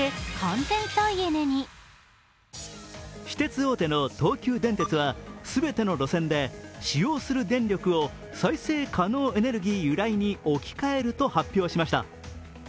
私鉄大手の東急電鉄は全ての路線で使用する電力を再生可能エネルギー由来に置き換えると発表しました。